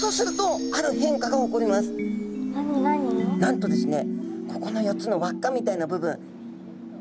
なんとですね